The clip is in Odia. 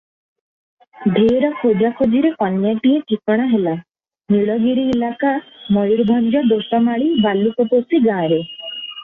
ଢେର ଖୋଜାଖୋଜିରେ କନ୍ୟାଟିଏ ଠିକଣା ହେଲା, ନୀଳଗିରି ଇଲାକା ମୟୂରଭଞ୍ଜ ଦୋସମାଳୀ ଭାଲୁକପୋଷି ଗାଁରେ ।